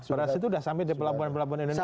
beras itu sudah sampai di pelabuhan pelabuhan indonesia